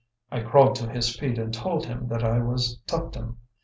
I crawled to his feet, and told him that I was Tuptim.